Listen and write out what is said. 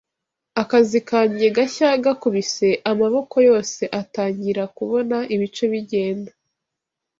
Akazi kanjye gashya gakubise Amaboko yose; atangira kubona ibice bigenda